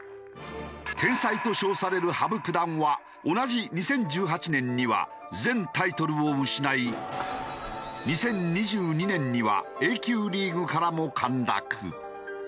天才と称される羽生九段は同じ２０１８年には全タイトルを失い２０２２年にはＡ級リーグからも陥落。